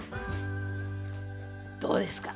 どうですか？